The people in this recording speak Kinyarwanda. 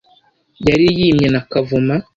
yari yimye na kavoma.